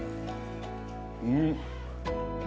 うん。